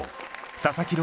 佐々木朗